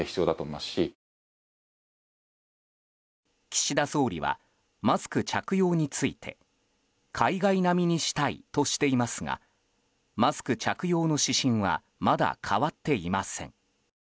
岸田総理はマスク着用について海外並みにしたいとしていますがマスク着用の指針はまだ変わっていません。